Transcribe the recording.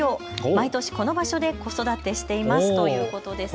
毎年この場所で子育てしていますということです。